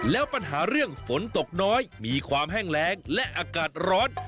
แล้วปัญหาเรื่องฝนตกน้อยมีความแห้งแรงและอากาศร้อน